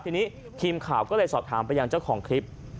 ทีนี้ทีมข่าวก็เลยสอบถามไปยังเจ้าของคลิป